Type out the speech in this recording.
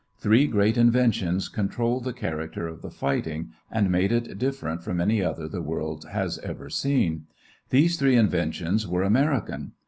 Three great inventions controlled the character of the fighting and made it different from any other the world has ever seen. These three inventions were American.